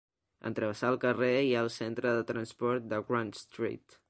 En travessar el carrer hi ha el Centre de Transport de Grant Street.